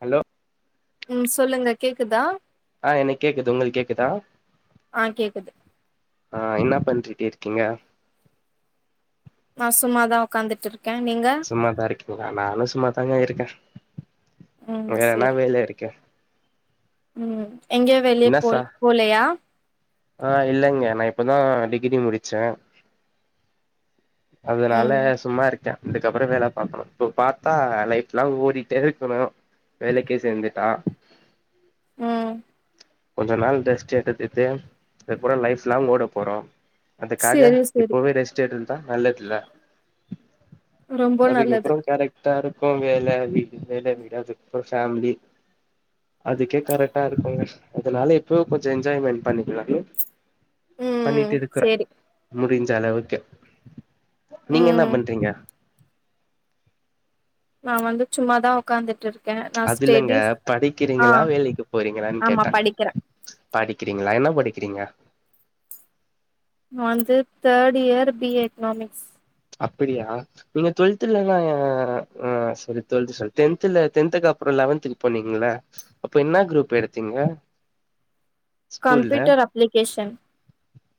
hello ம் சொல்லுங்க கேக்குதா ஆ எனக் கேக்குது உங்களுக்கு கேக்குதா ஆ கேக்குது ஆ என்ன பண்ட்டுட்ருக்கீங்க நா சும்மாதா உட்காந்துட்ருக் சும்மாதா இருக்கீங்களா நானு சும்மாாதாங்க இருக்க ம் வேற என்ன சேரி வேல இருக்கு ம் எங்கே வெளிய என்ன சா போல் போலையா ஆ இல்லங்க நா இப்பதா டிகிரி முடிச்ச அதனால ம் சும்மா இருக் ட்ட இதுக்கப்புற வேல பாக்கணு இப்ப பாத்தா ஆ லைப்லாங் ஓடிட்டே இருக்கணு வேலைக்கே சேந்துட்டா ம் கொஞ்ச நாள் ரெஸ்ட் எடுத்துட்டு அதுப்புற லைஃப் லாங் ஓட போறோ அதுக்காக சேரி சேரி இப்பவே ரெஸ்ட்லருந்தா நல்லதுல்ல ரொம்ப நல்லது அதுக்கப்புறோ கரெட் டா இருக்கு வேல வீட்டுக்கு போயிட்டு அப்பறம் [unintelligible] ஃபேமிலி அதுக்கே கரெட்டா இருக்குங்க அதனால இப்பவோ கொஞ்ச என்ஜாய்மெண்ட் பண்ணிக்கலான்னு ம் பண்ணிட்டு இருக்குற சேரி முடிஞ்ச அளவுக்கு நீங்க என்ன ம் பண்றீங்க நா வந்து சும்மாதா உட்காந்துட்ருக் அது இல்லங்க படிக்கிறீங்களா வேலைக்கு போறீங்களான்னு ஆமா கேட்ட படிக்கிறே படி க்கிறீங்களா என்ன படிக்கிறீங்க நா வந்து third year B A economics அப்பிடியாநீங்க டுவெல்த்துல தாங்க ஆ சாரி டுவெல்த்து சொல்லிட் டென்த்துல டென்த்துக்கு அப்புற லெவன்த்துக்கு போனீங்கல்ல அப்ப என்ன குரூப் எடுத்தீங்க கம்பியூட்டர் அப்ளிகேஷன்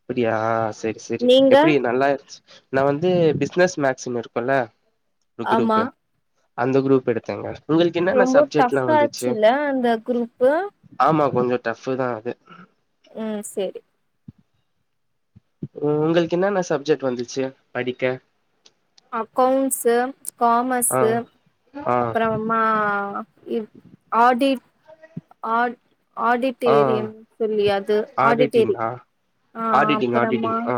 அப்பிடியா செரி செரி நீங்க எப்டி நல்லாருந்ச்சு நா வந் து பிசினஸ் மேக்ஸுனு இருக்குல்ல ஒரு ஆமா குரூப்பு அந்த குரூப் எடுத்தங்க உங்களுக்கு என்னென்ன ரொம்ப சப்ஜெக்ட்லா டஃப்ஃபா வந்துச்சு ஆச்சுல்ல அந்த குரூப்பு ஆமாங் கொஞ்ச டஃபு தா அது ம் சேரி ம் உங்களுக்கு என்னென்ன சப்ஜெக்ட் வந்துச்சு படிக்க அக்கௌண்ட்ஸு ஆ காமஸ்ஸு ஆ அப்பறமா இல் ஆடி ஆட் ஆ ஆடிட்டேரியம் சொல்லி அது ஆடிட்டேரி ஆடிட்டிங்கா ஆ ஆடிட்டிங் ஆடிட்டிங் ஆ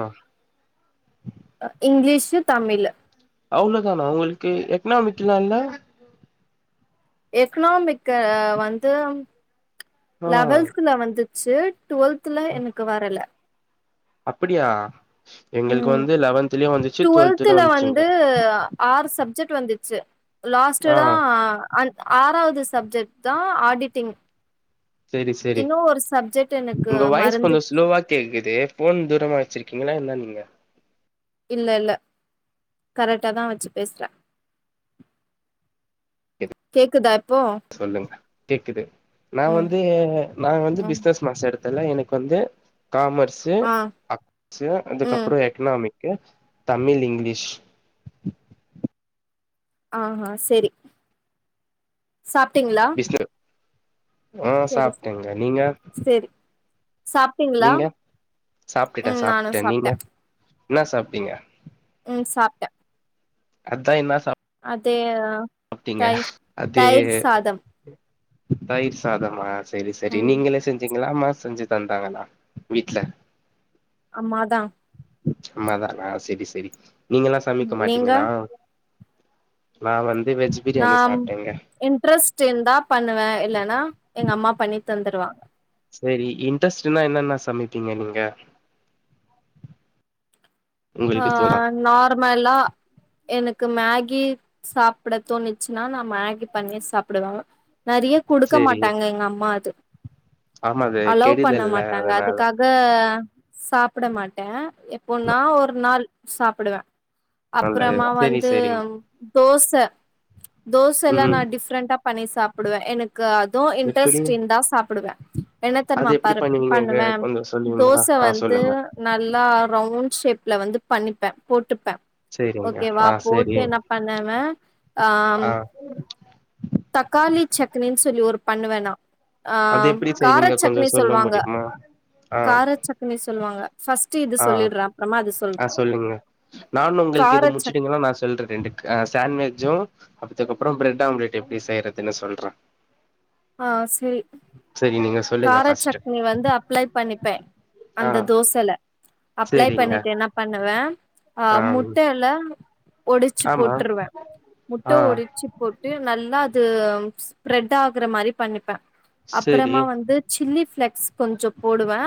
ஆ இங்கிலீஷு தமிழு அவ்ளோ தானா உங்களுக்கு எக்கனாமிக்லா இல்ல எக்கனாமிக்கு வந்து ஆ லெவல்த்ல வந்துச்சு டுவெல்த்துல எனக்கு வரல அப்பிடியா எங்களுக்கு ம் வந்து லெவன்த்துலயு வந்துச்சு டுவெல்த்துலயு டுவெல்த்ல வந்துச்சுங்க சப்ஜெட் வந்துச்சு ஆ லாஸ்ட்டடா அந் ஆறாவது சப்ஜெக்ட்தா ஆடிட்டிங் சேரி சேரி இன்னு ஒரு சப்ஜெக்ட் எனக்கு உங்க வாய்ஸ் மறந்து கொஞ்ச ஸ்லோவா கேக்குது ஃபோன் தூரமா வச்சிருக் கீங்களா என்ன நீங்க இல்ல இல்ல கரெக்டாதா வச்சு பேசுற கேக்குதா இப்போ சொல்லுங்க கேக்குது நா ம் வந்து நா வந்து ம் பிசினஸ் மேக்ஸ் எடுத் இதெல்லா எனக்கு வந்து காமர்ஸு ஆ ஆக்ஸு ம் அதுக்கப்புற எக்னாமி தமிழ் இங்கிலிஷ் ஆஹா செரி சாப்பிட்டீங்களா பிசினஸ் ஆ சாப்டேங்க நீங்க செரி சாப்ட்டீங்களா நீங்க சாப்பிட்ட ம் நானு சாப்டே நீங்க சாப்ட்ட என்னா சாப்டீங்க ம் சாப்ட அத்தா என்ன சாப் த்தே ஆ அப்டீங்க அதே தயிர் சாதமா செரி செரி ம் நீங்களே செஞ்சி கள அம்மா செஞ்சு தந்தாங்களா வீட்டு்ல அம்மா தா அம்மாதானா செரி செரி நீங்கல்லா சமைக்க நீங்க மாட்டீங்களா நா வந் நா இன்ட்ரெஸ்ட் இருந்தா பண்ணுவே இல்லன்னா எங்க அம்மா பண்ணி தந்துடுவா சேரி இன்ட்ரெஸ்ட்னா என்னன்ன சமைப்பீங்க நீங்க ஆ உங்களுக்கு தோணா நார்மலா எனக்கு மேகி சாப்ட தோணிச்சுன்னா நா மேகி பண்ணி சாப்பிடுவே நெறைய குடுக்க சேரி மாட்டாங்க எங்க அம்மா அது ஆமா அது அலோவ் பண்ண கெடுதல்ல மாட்டாங்க அதனால அதுக்காக சாப்ட மாட்டே எப்போனா ஒரு நாள் சாப்பிடுவே அப்பறமா சேரி வந்து சேரிங்க தோச தோச எல்லா நா ம் டிஃப்ரெண்டா பண்ணி சாப்பிடுவே எனக் க்கு அதுவு எப்டி இன்ட்ரெஸ்ட் இருந்த சாப்பிடுவே என்ன அது தெரிமா எப்டி பர் பண்ணுவீங்கங்க பண்ணுவே கொஞ்சோ சொல்லுவீங்களா தோச ஆ வந்து சொல்லுங்க நல்லா ரவுண்ட் ஷேப் ல வந்து பண்ணிப்பே போ ட்டுப்பே சேரிங்க ஓகேவா ஆ சேரி போட்டு என்ன பண்ணன் ஆ தக்காளி சக்னினு சொல்லி ஒரு பண்ணுவ நா அ அது எப்டி கார செய்வீங்க கொஞ்சோ சக்னி சொல்ல சொல்லுவாங்க முடியுமா ஆ கார சக்னி சொல்லுவாங்க ட்டு இது சொல்லிடுற அப்றமா அ சொல்லுங்க நானு உங்களுக்கு கார இது சட் முச்சுட்டீங்கன்னா நா சொல்றே ரெண்டு் ஆ சாண்ட்வெஜு அப்பத்துக்கப்பறோ பிரெட் ஆம்லெட் எப்டி செய்யறதுன்னு சொல்றே ஆ செரி சேரி நீங்க சொல்லுங்க கார ஃபர்ஸ்ட்டு சக்னி வந்து அப்ளை பண்ணிப்பே ஆ அந்த தோசல அப்ளை சேரிங்க பண்ணிட்டு என்ன பண்ணுவே ஆ முட்டையல ஒடுச்சு ஆமா போட்டுருவே முட்ட ஆ ஒடுச்சுப் போட்டு நல்லா அது ஸ்ப்ரெட் ஆ கற மாரி பண்ணிப்பே செரி அப்பறமா வந்து சில்லி பிளக்ஸ் கொஞ்சோ போடுவே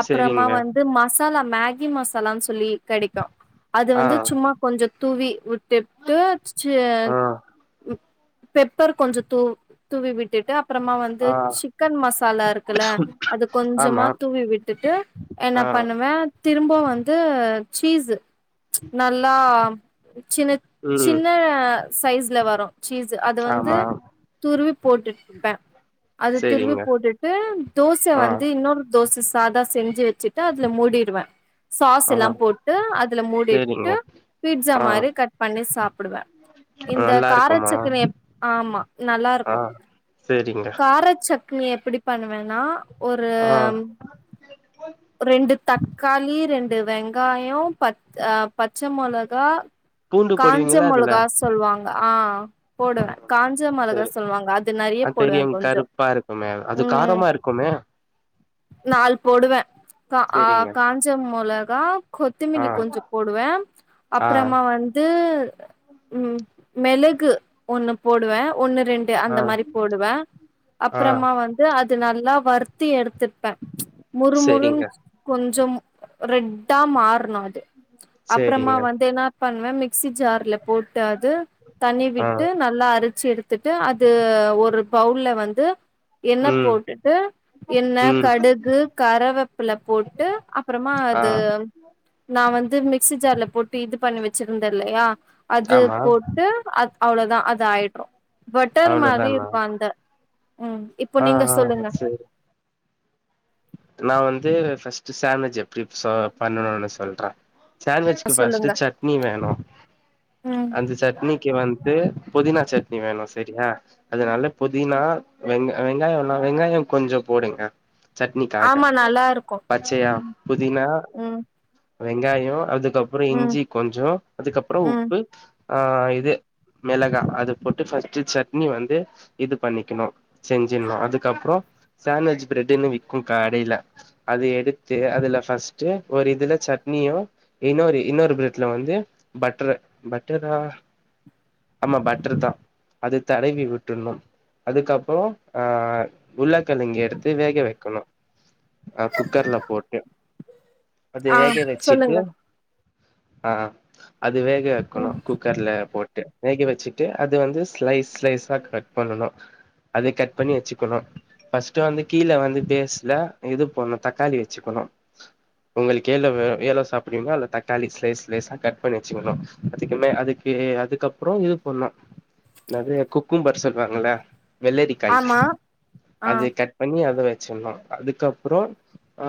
அப்பறமா செரிங்க வந்து மஸ் சாலா மேகி மசாலான்னு சொல்லி கெடைக்கு அது ஆ வந்து சும்மா கொஞ்சோ தூவி விட்டுட்டு செ ஆ பெப்பர் கொஞ்சோ தூ தூவி விட்டுட்டு அ ப்பறமா வந்து ஆ சிக்கன் மசாலா இருக்குல்ல அது கொஞ்சமா ஆமா தூவி விட்டுட்டு ஆ என்னாப் பண்ணுவே திரும்ப வந்து சீஸ் நல்லா சின்ன ம் சின்னா சைஸ்ல வரு சீஸு அது வந்து ஆமா துருவிப் போட்டு ப்பே அது துருவி செரிங்க போட்டுட்டு தோச ஆ வந்து இன்னொரு தோச சாதா செஞ்சு வெச்சுட்டு அதுல மூடிடுவே சாஸ் ஆ எல்லா போட்டு அதுல செரிங்க மூடிட்டு பீட்ஸா ஆ மாரி கட் பண்ணி சாப்டுவே இந்த நல்லா இருக்குமா காரச்சக்னி ஆமா நல்லா இருக்கு சேரிங்க சக்னி எப்டி பண்ணுவேனா ஒரு ஆ ரெண்டு தக்காளி ரெண்டு வெங்காயம் ப ஆ பச்ச மொளகா பூண்டு காஞ்ச போடுவீங்களா அதுல மொளகா சொல்லுவாங்க ஆ போடுவே காஞ்ச மொளகா சொல்லுவாங்க அது நெறைய அ போடுவே தெரியும் கொஞ்சோ கருப்பா இருக்குமே அது ம் காரமா இருக்குமே நாலு போடுவே கா அ செரிங்க காஞ்ச மொளகா ஆ கொத்தமல்லி கொஞ்ச போடுவே ஆ அப்றமா வந்து ம் மிளகு ஒண்ணு போடுவே ஒண்ணு ரெண்டு ஆ அந்த மாரி போடுவே ஆ அப்றமா வந்து அது நல்லா வருத்தி எடு போ த்ருப்பே ச் மொறுமொருன் செரிங்க கொஞ்சம் ரெட்டா மாறனு அது அப்றமா செரிங்க வந்து என்ன பண்வே மிக்சி ஜார்ல போட்டு அது தண்ணி ஆ விட்டு நல்லா அரச்சு எடுத்துட்டு அது ஒரு பவுல்ல வந்து எண்ண ம் போட்டுட்டு எண்ண ம் கடுகு கரவேப்பிள்ள போட்டு அப்றமா ஆ அது நா வந் து மிக்சி ஜார்ல போட்டு இது பண்ணி வச்சிருந்தே இல்லையா அது ஆமா போட்டு அ அவ்ளோ தா அது ஆயிடு பட்டர் மாரி அவ்ளோதானா இருக்கு அந்த ம் இப்போ ஆ நீங்க ஆ சொல்லுங்க செரி நா வந்து பர்ஸ்ட் சாண்விஜ் எப்டி சோ பண்ணணுனு சொல்றே சாண்ட்விச்க்கு பர்ஸ்ட் சொல்லுங்க சட்னி வேணு ம் அந்த சட்னிக்கி வந்து து புதினா சட்னி வேணு சேரியா அதனால புதினா வெங் வெங்காயனா வெங்காய கொஞ்ச போடுங்க சட் னிக்காட்ட ஆமா நல்லா இருக்கு பச்சயா ம் புதினா ம் வெங்காய அதுக்கப்புற ம் இஞ்சி கொஞ்ச அதுக்கப்புற ம் உப்பு ஆ இது மிளகா அது போட்டு ஃபஸ்ட் சட்னி வந்து இது பண்ணிக்கணு செஞ்சிடணு அதுக்கப்புற சாண்ட்விச் பிரெட்ன்னு வி கும் கடைல அது எடுத்து அதுல பஸ்ட் ஒரு இதுல சட்னியு இன்னொரு இன்னொரு பிரெட்ல வந்து பட்ரு பட்ரு தா ஆமா பட்ரு தா அது தடவி விட்றணு அதுக்கப்புற அ உள்ளக்கெழங்க எடுத்து வேக வ கணு ஆ குக்கர்ல போட்டு அது ஆ வேக வச்சுட்டு சொல்லுங்க ஆ அ அது வேக வக்கணு ம் குக்கர்ல போட் டு வேக வச்சுட்டு அது வந்து ஸ்லைஸ் ஸ்லைஸா கட் பண்ணனு அதை கட் பண்ணி வச்சுக்கணு பர்ஸ்ட் வந்து கீழ வந்து பேஸ்ல இது போடணு தக்காளி வச்சுக்கணு உங்களுக்கு எலோ வே எலோ சாப்ரீங்களோ அ தக்காளி ஸ்லைஸ் ஸ்லைஸா கட் பண்ணி வச்சுக்கணு அதுக்குமே அதுக்கு ஏ அதுக்கப்புற இது பண்ணு என்னது குக்கும்பர் சொல்றாங்கள வெள்ளரிக்காய் ஆமா ஆ அது கட் பண்ணி அத வ சுட்னு அதுக்கப்புற ஆ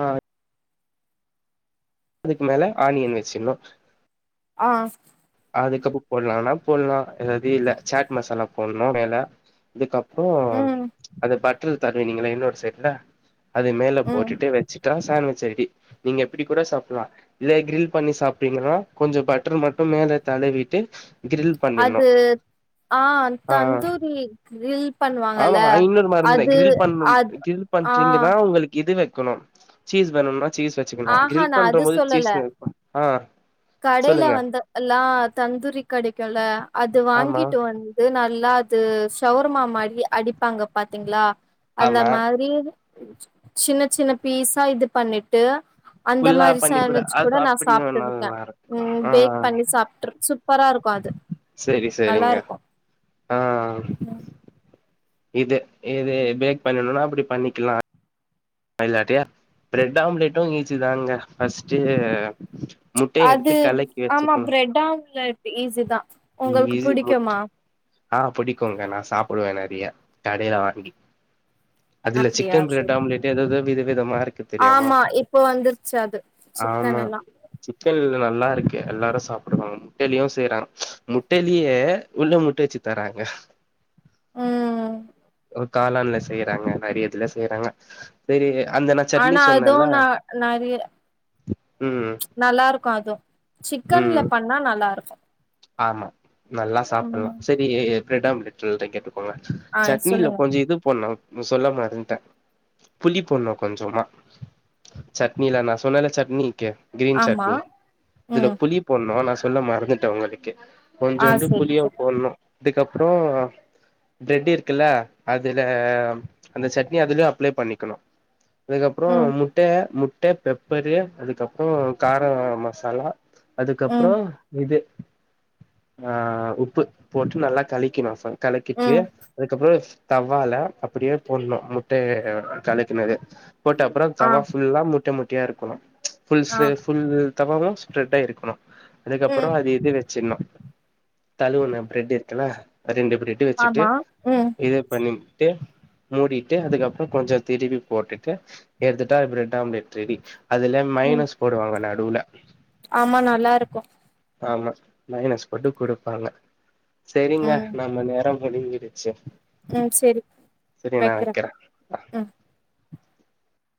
அதுக்கு மேல ஆனியன் வச்சிடணு ஆ அதுக்கப்புற போடலாம்னா போடலாம் ஏதாவது இல்ல சேட் மசாலா போடணு மேல அதுக்கப் அப்போ ம் அது பட்டர் தடவினீங்கள இன்னொரு சைட்ல அது மேல ம் போட்டுட்டே வச்சு தா சாண்டவிச் ஐடி நீங்க இப்டி கூட சாப்ட்லா இதே க்ரில் பண்ணி சாப்டீங்கனா கொஞ்ச பட்ரு மட்டு மேல தடவிட்டு கிரில் பண்ணிட்னு அது ஆ ஆ தந்தூரி கிரில் ஆ பண்ணுவாங்கல்ல ஆமா ஐ இன்னோரு மறந்துனே அது கிரில் பண்னுன் அது கிரில் ஆ பண்றீங்கனா உங்களுக்கு இது வக்கணு சீஸ் வேணுனா சீஸ் வச்சுகலா ஆஹா க்ரில் நா பண்ற அது போது சொல்லல சீஸ் வே ஆ கடையில சொல்லுங்க வந்தல்லா தந்தூரி கிடைக்குல அது ஆமா வாங்கிட்டு வந்து நல் ல அது ஷவர்மா மாரி அடிப்பாங்க பாத்தீங்ளா அந்த ஆமா மாரி சின்ன சின்ன பீஸா இது பண்ணிட்டு அந்த ஃபுல்லா மாரி பண்ணி சேண்ட்விச் கூட அது நா அப்படியு சாப்ட்ருக்கே நல்லா இருக்கு ம் ஆ பேக் பண்ணி சாப்ட்டு சூ ப்பராருக்கு அது செரி செரிங்க நல்லாருக்கு ஆ இது இது பேக் பண்ணணுனா அப்டி பண்ணிக்லா இல்லாட்டி பிரெட் ஆம்லெட்டு ஈஸி தாங்க ஃபஸ்ட்டு அது ஆமா பிரெட் ஆம்லெட் ஈஸி தா உங்களுக்கு ஈஸி முட் புடிக்குமா ஆ புடிக்குங்க நா சாப்டுவே நெறையா கடைல வாங்கி அதுல அப்டியா சிக்கன் செரி பிரெட் ஆம்லேட்டு எததோ வித விதமா [unintelligible] தெரியாமா ஆமா இப்போ வந்துருச்சு அது சிக்கன் ஆமா எல்லா சிக்கன்ல நல்லா இருக்கு எல்லாரு சாப்டுவாங்க முட்டலயு செய்றாங்க முட்டலே உள்ள முட்ட வச்சு தராங்க ம் ஒரு காளான்ல செய்றாங்க நெறைய இதுல செய்றாங்க செரி அந்த நா சட்னி ஆனா அது சொன்னேல்ல ந நறைய ம் நல்லாருக்கு அது சிக்கன்ல ம் பண்ணா நல்லாருக்கு ஆமா நல்லா சாப்புல்லா ம் செரி ப்ரெட் ஆம்லட் சொல்றே கேட்டு போல ஆ சட்னில சொல்லுங்க கொஞ்சோ இது போண்ணு சொல்ல மறன்ட்ட புளி போண்ணு கொஞ்சமா சட்னில நா சொன்னலே சட்னி கே கிரீன் ஆமா சட்னி இதுல ம் புளி போட்ணு நா சொல்ல மறந்துட்டே உங்களுக்கு ஆ கொஞ்சோன்டு செரி புளிய செரி போட்ணு அதுக்கப்றோ பிரெட்டு இருக்குல்ல அதுல அந்த சட்னி அதுலே அப்லே பண்ணிக்கணு அதுக்கப்றோ ம் முட்ட முட்ட பெப்பரு அதுக்கப்றோ கார மசாலா அதுக்கப்றோ ம் இது ஆ உப்பு போட்டு நல்லா கலக்கிணு [unintelligible] கலக்கிட்டு ம் அதுக்கப்றோ தவ்வால அப்டே போட்ணு முட்ட கலக்குனது போட்ட அப்றம் ஆ தவா ஃபுல்லா முட்ட முட்டயா இருக்குணு ஃபுல் ஆ சே ஃபுல் தவாவு ஸ்ப்ரெட் ஆயிருக்குணு அதுக்கப்றோ ம் அது இது தலுவுண்ண பிரெட் இருக்குல அ ரெண்டு பிரெட் வச்சுட்டு ஆமா ம் இது பண்ணி டு மூடிட்டு அதுக்கப்றோ கொஞ்சோ திருப்பி போட்டுட்டு எடுத்துட்டா பிரெட்டாம்லேட் ரெடி அதுல ம் மைனோஸ் போடுவாங்க நடுவுல ஆமா நல்லாருக்கு ஆமா மைனஸ் போட்டு குடுப்பாங்க செரிங்க ம் நம்ம நேரம் முடிஞ்சிடுச்சு ம் செரி செரி நா வைக்கறே வைக்கிறே ஆ ம்